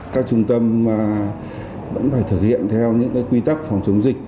các trung tâm vẫn phải thực hiện theo những quy tắc phòng chống dịch